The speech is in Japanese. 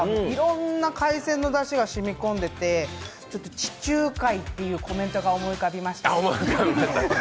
いろんな海鮮のだしが染み込んでて、ちょっと地中海というコメントが思い浮かびました。